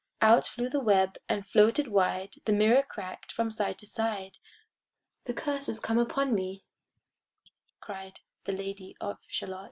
Out flew the web and floated wide; The mirror crack'd from side to side; "The curse is come upon me," cried The Lady of Shalott.